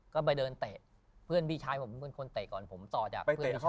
ก็ไปเดินเตะเพื่อนพี่ชายผมเป็นคนเตะก่อนผมต่อจากเพื่อน